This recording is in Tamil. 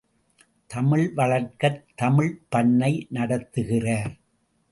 தமிழ் வளர்க்கத் தமிழ்ப்பண்ணை நடத்துகிறார்.